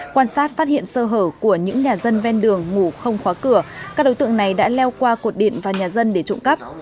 quan sát phát hiện sơ hở của những nhà dân ven đường ngủ không khóa cửa các đối tượng này đã leo qua cột điện và nhà dân để trộm cắp